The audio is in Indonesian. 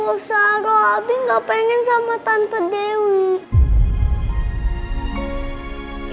bosaro abi gak pengen sama tante dewi